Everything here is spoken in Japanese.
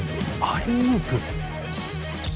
アリウープ